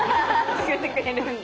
作ってくれるんだ。